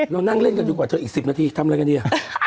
เรานั่งเล่นกันดีกว่าเธออีก๑๐นาทีทำอะไรกันดี